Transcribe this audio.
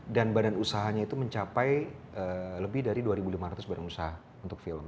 dan badan usahanya itu mencapai lebih dari dua lima ratus badan usaha untuk film